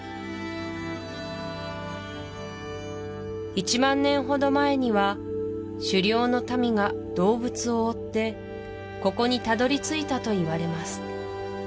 １万年ほど前には狩猟の民が動物を追ってここにたどり着いたといわれます